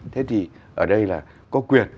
thế thì ở đây là có quyền